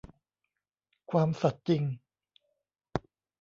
ความสัตย์จริง